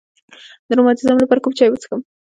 د روماتیزم لپاره کوم چای وڅښم؟